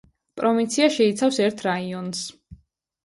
პროვინცია შეიცავს ერთ რაიონს.